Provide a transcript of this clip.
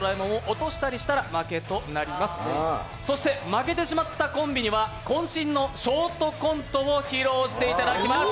負けてしまったコンビニは、こん身のショートコントを披露していただきます。